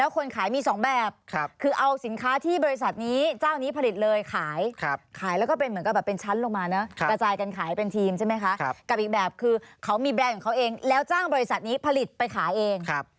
กับอีกแบบคือเขามีแบรนด์ของเขาเองแล้วจ้างบริษัทนี้ผลิตไปขาเอง